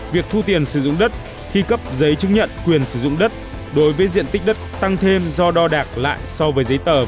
việc thu tiền sử dụng đất khi cấp giấy chứng nhận quyền sử dụng đất đối với diện tích đất tăng thêm do đo đạc lại so với giấy tờ